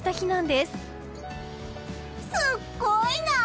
すっごいな！